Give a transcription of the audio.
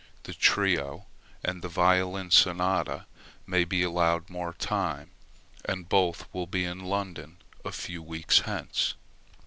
The Trio in [??] and the violin Sonata may be allowed more time, and both will be in London a few weeks hence.